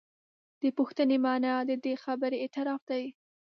د پوښتنې معنا د دې خبرې اعتراف دی.